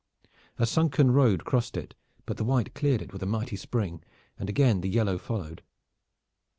A sunken road crossed it, but the white cleared it with a mighty spring, and again the yellow followed.